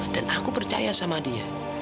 dan aku percaya sama dia